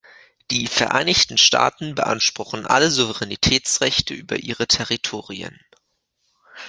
Die Vereinigten Staaten beanspruchen alle Souveränitätsrechte über ihre Territorien.